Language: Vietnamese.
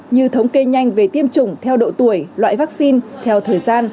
như thống kê nhanh về tiêm chủng theo độ tuổi loại vaccine theo thời gian